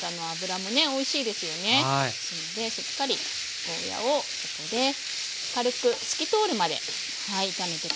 それでしっかりゴーヤーをここで軽く透き通るまで炒めて下さい。